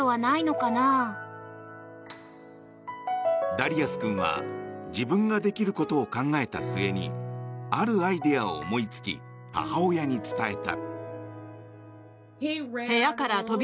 ダリアス君は自分ができることを考えた末にあるアイデアを思いつき母親に伝えた。